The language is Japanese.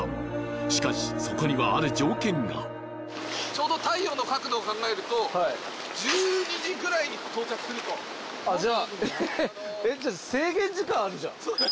しかしそこにはある条件がちょうど太陽の角度を考えるとはい１２時ぐらいに到着するとあっじゃあえっじゃあ制限時間あるじゃんそうなんです